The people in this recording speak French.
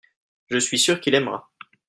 je suis sûr qu'il aimera.